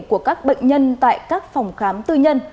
của các bệnh nhân tại các phòng khám tư nhân